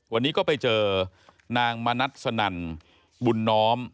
วันนี้ก็ไปเจอนางมณัฐสนั่นบุญน้อม